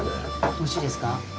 美味しいですか？